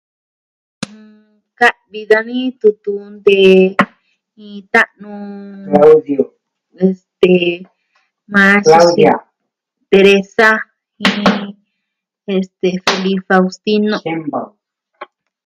Jɨn... Ka'vi dani tutu ntee iin ta'nu Narciso, Teresa jin, este, Feli Faustino.